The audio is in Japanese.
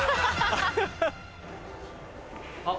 あっ。